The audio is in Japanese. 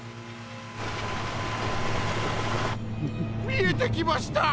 みえてきました！